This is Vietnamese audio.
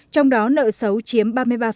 trong đó nợ xấu chiếm ba mươi ba